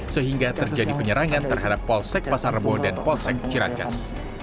sehingga terjadi penyerangan terhadap polsek pasar rebo dan polsek ciracas